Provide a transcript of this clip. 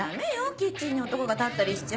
キッチンに男が立ったりしちゃ。